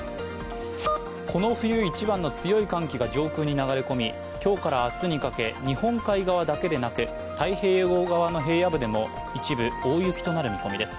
この冬一番の強い寒気が上空に流れ込み、今日から明日にかけ、日本海側だけでなく、太平洋側でも、一部大雪となる予想です。